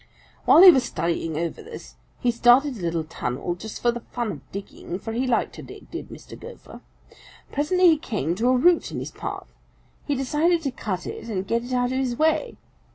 While he was studying over this, He started a little tunnel just for the fun of digging, for he liked to dig, did Mr. Gopher. Presently he came to a root in his path. He decided to cut it and get it out of his way.